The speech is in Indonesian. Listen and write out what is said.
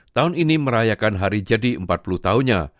tahun ini merayakan hari jadi empat puluh tahunnya